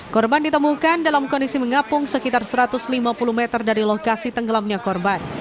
korban ditemukan dalam kondisi mengapung sekitar satu ratus lima puluh meter dari lokasi tenggelamnya korban